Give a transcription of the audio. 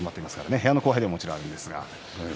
部屋の後輩でももちろんあります。